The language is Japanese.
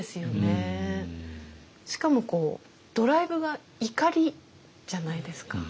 しかもドライブが怒りじゃないですか。